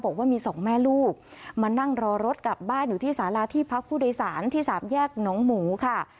บอกว่ามีสองแม่ลูกมานั่งรอรถกลับบ้านอยู่ที่สาราที่พักผู้โดยสารที่สามแยกหนองหมูค่ะ